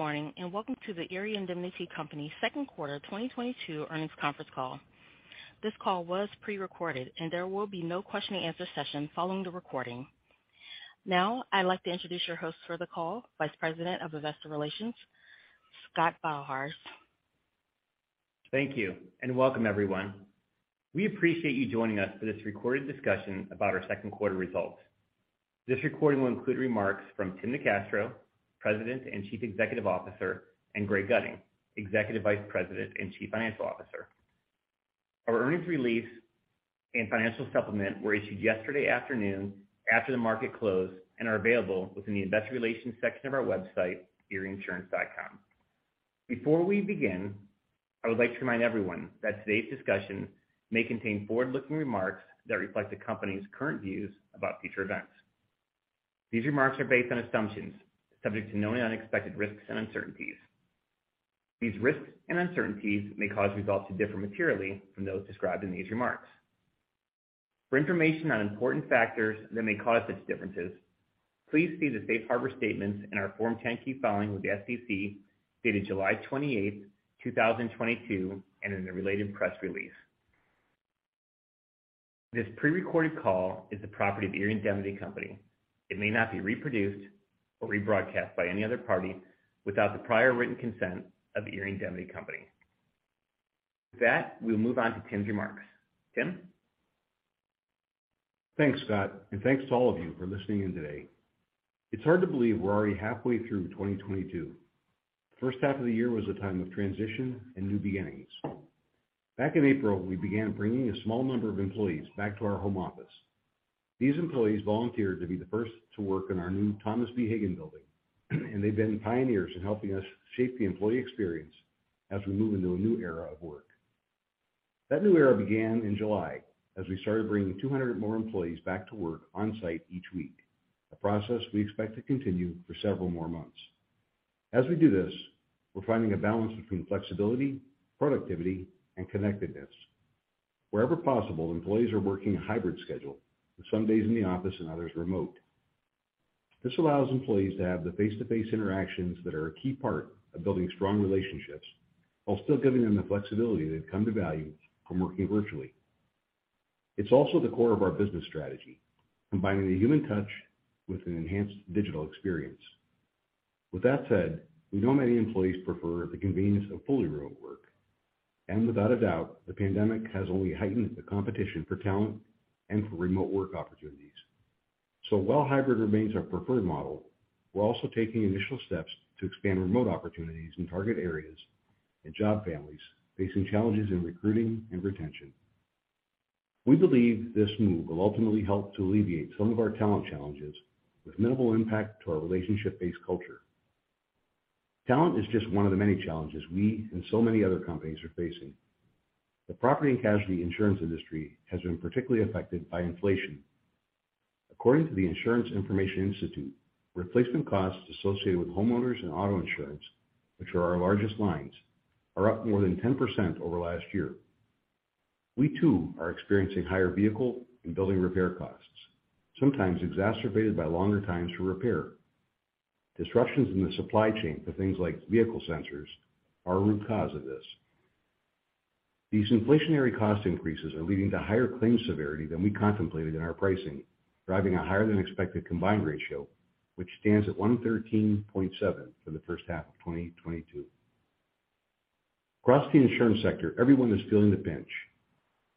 Good morning, and welcome to the Erie Indemnity Company second quarter 2022 earnings conference call. This call was pre-recorded, and there will be no question and answer session following the recording. Now, I'd like to introduce your host for the call, Vice President of Investor Relations, Scott Beilharz. Thank you, and welcome everyone. We appreciate you joining us for this recorded discussion about our second quarter results. This recording will include remarks from Tim NeCastro, President and Chief Executive Officer, and Greg Gutting, Executive Vice President and Chief Financial Officer. Our earnings release and financial supplement were issued yesterday afternoon after the market closed and are available within the investor relations section of our website, erieinsurance.com. Before we begin, I would like to remind everyone that today's discussion may contain forward-looking remarks that reflect the company's current views about future events. These remarks are based on assumptions subject to known unexpected risks and uncertainties. These risks and uncertainties may cause results to differ materially from those described in these remarks. For information on important factors that may cause such differences, please see the Safe Harbor statements in our Form 10-K filing with the SEC dated July 28, 2022, and in the related press release. This pre-recorded call is the property of Erie Indemnity Company. It may not be reproduced or rebroadcast by any other party without the prior written consent of the Erie Indemnity Company. With that, we'll move on to Tim's remarks. Tim? Thanks, Scott, and thanks to all of you for listening in today. It's hard to believe we're already halfway through 2022. First half of the year was a time of transition and new beginnings. Back in April, we began bringing a small number of employees back to our home office. These employees volunteered to be the first to work in our new Thomas B. Hagen building, and they've been pioneers in helping us shape the employee experience as we move into a new era of work. That new era began in July as we started bringing 200 more employees back to work on-site each week, a process we expect to continue for several more months. As we do this, we're finding a balance between flexibility, productivity, and connectedness. Wherever possible, employees are working a hybrid schedule with some days in the office and others remote. This allows employees to have the face-to-face interactions that are a key part of building strong relationships while still giving them the flexibility they've come to value from working virtually. It's also the core of our business strategy, combining the human touch with an enhanced digital experience. With that said, we know many employees prefer the convenience of fully remote work. Without a doubt, the pandemic has only heightened the competition for talent and for remote work opportunities. While hybrid remains our preferred model, we're also taking initial steps to expand remote opportunities in target areas and job families facing challenges in recruiting and retention. We believe this move will ultimately help to alleviate some of our talent challenges with minimal impact to our relationship-based culture. Talent is just one of the many challenges we and so many other companies are facing. The property and casualty insurance industry has been particularly affected by inflation. According to the Insurance Information Institute, replacement costs associated with homeowners and auto insurance, which are our largest lines, are up more than 10% over last year. We, too, are experiencing higher vehicle and building repair costs, sometimes exacerbated by longer times for repair. Disruptions in the supply chain for things like vehicle sensors are a root cause of this. These inflationary cost increases are leading to higher claim severity than we contemplated in our pricing, driving a higher than expected combined ratio, which stands at 113.7 for the first half of 2022. Across the insurance sector, everyone is feeling the pinch.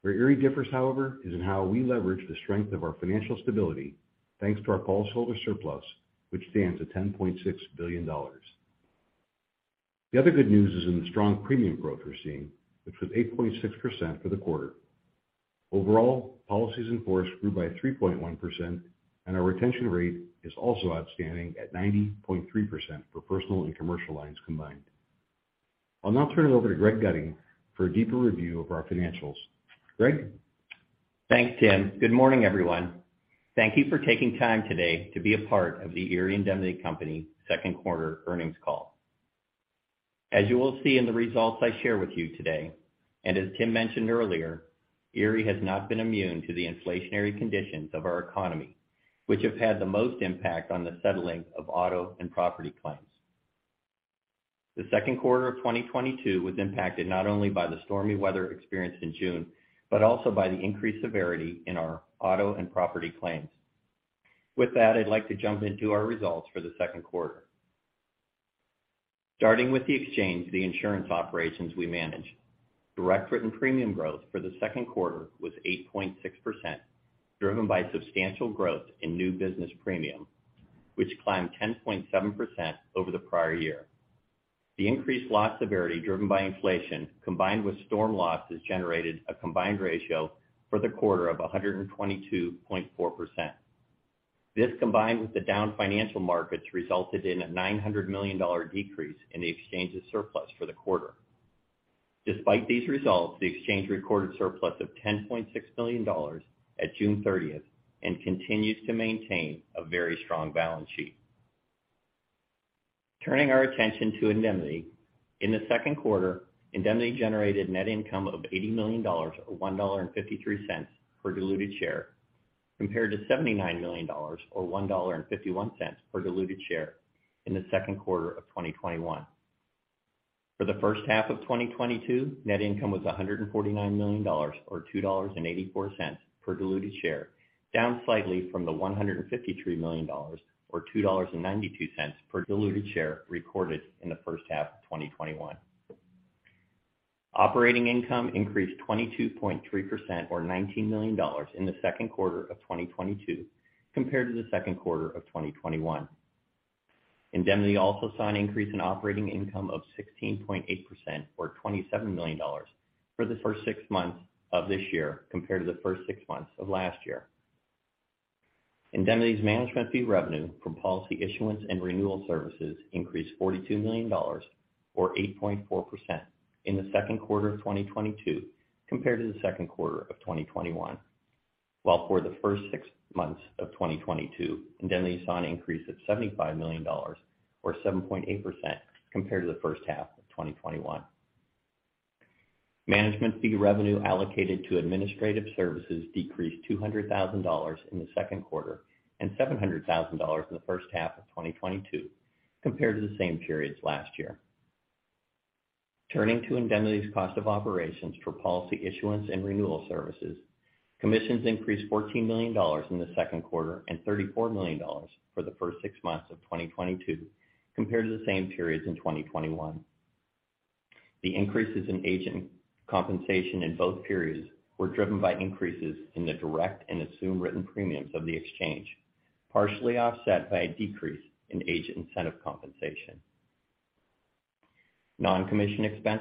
Where Erie differs, however, is in how we leverage the strength of our financial stability, thanks to our policyholder surplus, which stands at $10.6 billion. The other good news is in the strong premium growth we're seeing, which was 8.6% for the quarter. Overall, policies in force grew by 3.1%, and our retention rate is also outstanding at 90.3% for personal and commercial lines combined. I'll now turn it over to Greg Gutting for a deeper review of our financials. Greg? Thanks, Tim. Good morning, everyone. Thank you for taking time today to be a part of the Erie Indemnity Company second quarter earnings call. As you will see in the results I share with you today, and as Tim mentioned earlier, Erie has not been immune to the inflationary conditions of our economy, which have had the most impact on the settling of auto and property claims. The second quarter of 2022 was impacted not only by the stormy weather experienced in June, but also by the increased severity in our auto and property claims. With that, I'd like to jump into our results for the second quarter. Starting with the exchange, the insurance operations we manage. Direct written premium growth for the second quarter was 8.6%, driven by substantial growth in new business premium, which climbed 10.7% over the prior year. The increased loss severity driven by inflation combined with storm losses generated a combined ratio for the quarter of 100.4%. This, combined with the down financial markets, resulted in a $900 million decrease in the exchange's surplus for the quarter. Despite these results, the exchange recorded surplus of $10.6 million at June thirtieth and continues to maintain a very strong balance sheet. Turning our attention to indemnity. In the second quarter, indemnity generated net income of $80 million, or $1.53 per diluted share. Compared to $79 million or $1.51 per diluted share in the second quarter of 2021. For the first half of 2022, net income was $149 million or $2.84 per diluted share, down slightly from the $153 million or $2.92 per diluted share recorded in the first half of 2021. Operating income increased 22.3% or $19 million in the second quarter of 2022 compared to the second quarter of 2021. Indemnity also saw an increase in operating income of 16.8% or $27 million for the first six months of this year compared to the first six months of last year. Indemnity's management fee revenue from policy issuance and renewal services increased $42 million or 8.4% in the second quarter of 2022 compared to the second quarter of 2021. While for the first six months of 2022, Indemnity saw an increase of $75 million or 7.8% compared to the first half of 2021. Management fee revenue allocated to administrative services decreased $200 thousand in the second quarter and $700 thousand in the first half of 2022 compared to the same periods last year. Turning to Indemnity's cost of operations for policy issuance and renewal services, commissions increased $14 million in the second quarter and $34 million for the first six months of 2022 compared to the same periods in 2021. The increases in agent compensation in both periods were driven by increases in the direct and assumed written premiums of the exchange, partially offset by a decrease in agent incentive compensation. Non-commission expense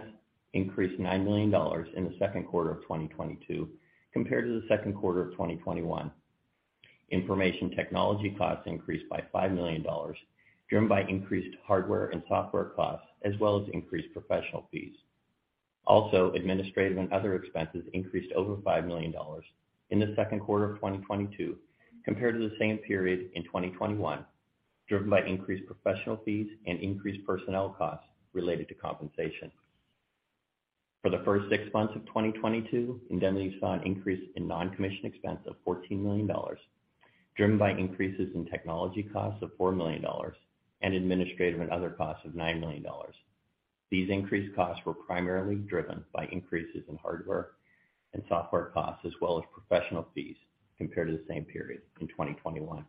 increased $9 million in the second quarter of 2022 compared to the second quarter of 2021. Information technology costs increased by $5 million, driven by increased hardware and software costs as well as increased professional fees. Also, administrative and other expenses increased over $5 million in the second quarter of 2022 compared to the same period in 2021, driven by increased professional fees and increased personnel costs related to compensation. For the first six months of 2022, Indemnity saw an increase in non-commission expense of $14 million, driven by increases in technology costs of $4 million and administrative and other costs of $9 million. These increased costs were primarily driven by increases in hardware and software costs as well as professional fees compared to the same period in 2021.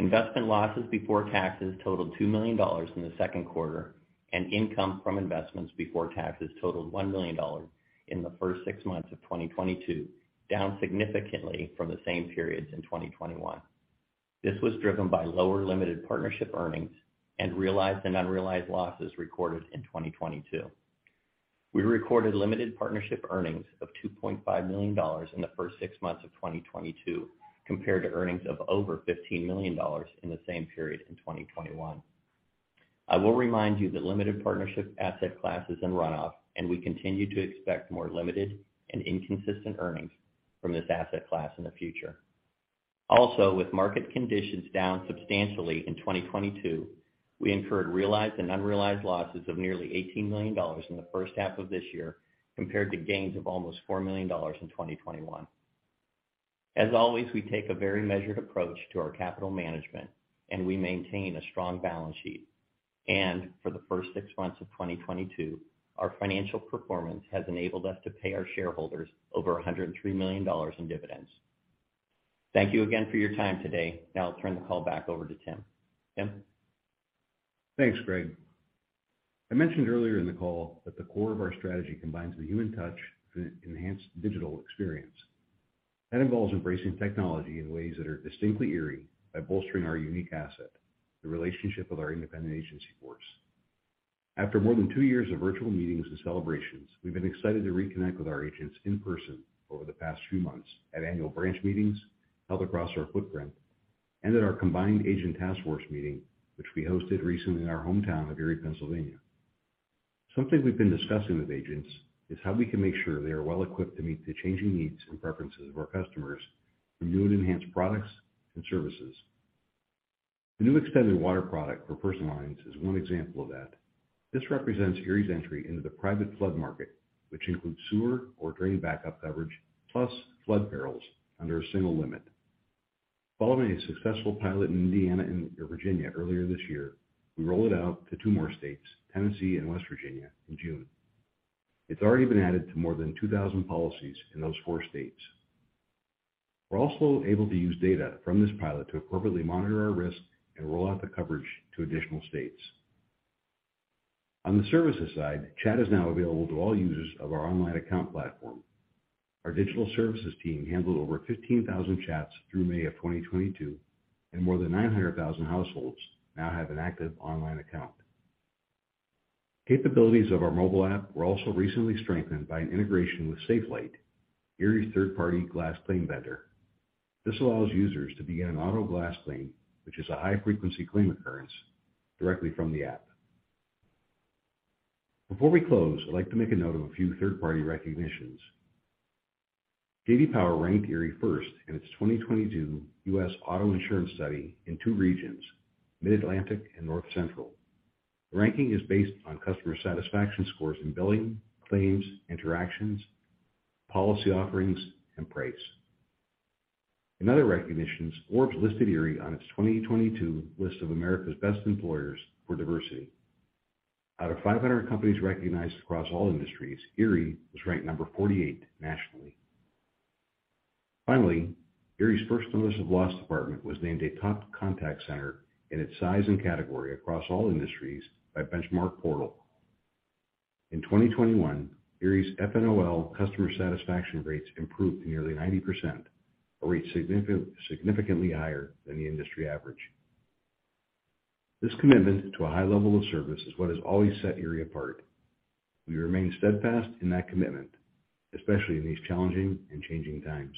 Investment losses before taxes totaled $2 million in the second quarter, and income from investments before taxes totaled $1 million in the first six months of 2022, down significantly from the same periods in 2021. This was driven by lower limited partnership earnings and realized and unrealized losses recorded in 2022. We recorded limited partnership earnings of $2.5 million in the first six months of 2022 compared to earnings of over $15 million in the same period in 2021. I will remind you that limited partnership asset class is in runoff, and we continue to expect more limited and inconsistent earnings from this asset class in the future. Also, with market conditions down substantially in 2022, we incurred realized and unrealized losses of nearly $18 million in the first half of this year compared to gains of almost $4 million in 2021. As always, we take a very measured approach to our capital management, and we maintain a strong balance sheet. For the first six months of 2022, our financial performance has enabled us to pay our shareholders over $103 million in dividends. Thank you again for your time today. Now I'll turn the call back over to Tim. Tim? Thanks, Greg. I mentioned earlier in the call that the core of our strategy combines the human touch with an enhanced digital experience. That involves embracing technology in ways that are distinctly ERIE by bolstering our unique asset, the relationship with our independent agency force. After more than two years of virtual meetings and celebrations, we've been excited to reconnect with our agents in person over the past few months at annual branch meetings held across our footprint, and at our combined Agent Task Force meeting, which we hosted recently in our hometown of Erie, Pennsylvania. Something we've been discussing with agents is how we can make sure they are well-equipped to meet the changing needs and preferences of our customers for new and enhanced products and services. The new Extended Water product for personal lines is one example of that. This represents ERIE's entry into the private flood market, which includes sewer or drain backup coverage, plus flood perils under a single limit. Following a successful pilot in Indiana and Virginia earlier this year, we rolled it out to two more states, Tennessee and West Virginia, in June. It's already been added to more than 2,000 policies in those four states. We're also able to use data from this pilot to appropriately monitor our risk and roll out the coverage to additional states. On the services side, chat is now available to all users of our online account platform. Our digital services team handled over 15,000 chats through May of 2022, and more than 900,000 households now have an active online account. Capabilities of our mobile app were also recently strengthened by an integration with Safelite, ERIE's third-party glass claim vendor. This allows users to begin an auto glass claim, which is a high-frequency claim occurrence, directly from the app. Before we close, I'd like to make a note of a few third-party recognitions. J.D. Power ranked ERIE first in its 2022 U.S. auto insurance study in two regions, Mid-Atlantic and North Central. The ranking is based on customer satisfaction scores in billing, claims, interactions, policy offerings, and price. In other recognitions, Forbes listed ERIE on its 2022 list of America's Best Employers for Diversity. Out of 500 companies recognized across all industries, ERIE was ranked number 48 nationally. Finally, ERIE's First Notice of Loss department was named a top contact center in its size and category across all industries by BenchmarkPortal. In 2021, ERIE's FNOL customer satisfaction rates improved to nearly 90%, a rate significantly higher than the industry average. This commitment to a high level of service is what has always set ERIE apart. We remain steadfast in that commitment, especially in these challenging and changing times.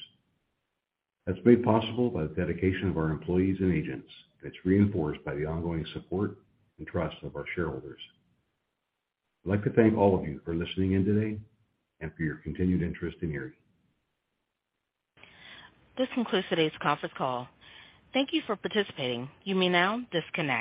That's made possible by the dedication of our employees and agents. It's reinforced by the ongoing support and trust of our shareholders. I'd like to thank all of you for listening in today and for your continued interest in ERIE. This concludes today's conference call. Thank you for participating. You may now disconnect.